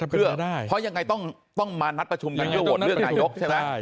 เพื่อเพราะยังไงต้องมานัดประชุมกันเพื่อโหวตเลือกนายกใช่ไหม